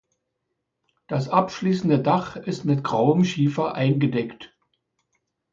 Das abschließende Dach ist mit grauem Schiefer eingedeckt.